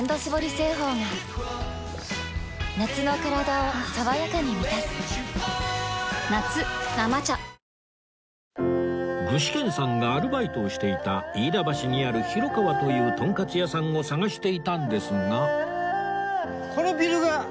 製法が夏のカラダを爽やかに満たす夏「生茶」具志堅さんがアルバイトをしていた飯田橋にあるひろかわというとんかつ屋さんを探していたんですが